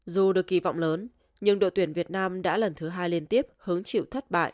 dù được kỳ vọng lớn nhưng đội tuyển việt nam đã lần thứ hai liên tiếp hứng chịu thất bại